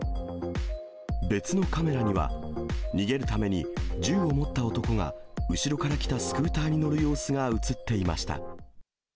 別のカメラには、逃げるために銃を持った男が後ろから来たスクーターに乗る様子が写っていました。